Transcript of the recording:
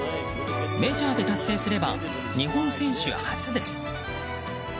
メジャーで達成すれば日本選手初です。